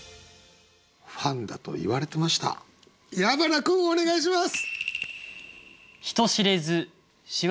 ファンだと言われてました矢花君お願いします！